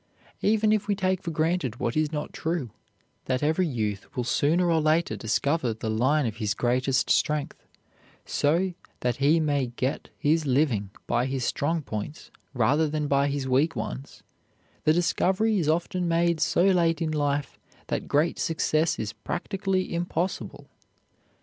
Even if we take for granted what is not true, that every youth will sooner or later discover the line of his greatest strength so that he may get his living by his strong points rather than by his weak ones, the discovery is often made so late in life that great success is practically impossible.